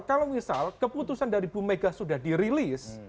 kalau misal keputusan dari bu mega sudah dirilis